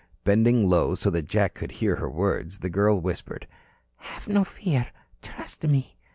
Bending low so that Jack could hear her words, the girl whispered: "Have no fear. Trust me."